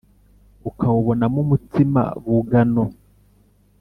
ukawubonamo umutsima bugano